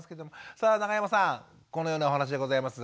さあ永山さんこのようなお話でございます。